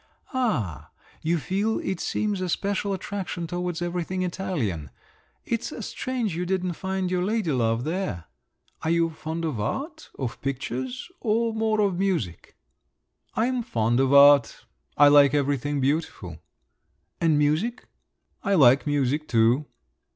"Ah, you feel, it seems, a special attraction towards everything Italian. It's strange you didn't find your lady love there. Are you fond of art? of pictures? or more of music?" "I am fond of art…. I like everything beautiful." "And music?" "I like music too."